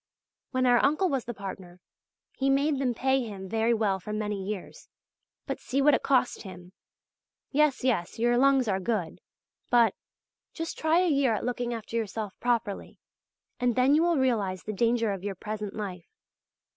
When our uncle was the partner, he made them pay him very well for many years; but see what it cost him! Yes, yes, your lungs are good, but ... just try a year at looking after yourself properly, and then you will realize the danger of your present life.